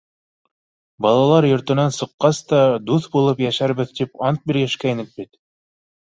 Балалар йортонан сыҡҡас та, дуҫ булып йәшәрбеҙ тип ант бирешкәйнек бит.